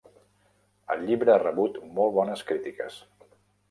El llibre ha rebut molt bones crítiques.